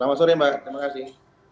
selamat sore mbak terima kasih